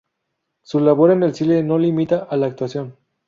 Su labor en el cine no se limita a la actuación.